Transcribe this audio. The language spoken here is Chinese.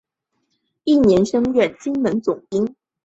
翌年升任金门总兵。